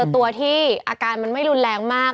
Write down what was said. ตัวที่อาการมันไม่รุนแรงมาก